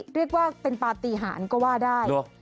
เรียกว่าเป็นปฏิหารก็ว่าได้